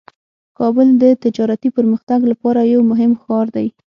کابل د تجارتي پرمختګ لپاره یو مهم ښار دی.